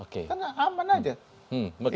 karena aman aja